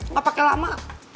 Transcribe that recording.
gak pake lama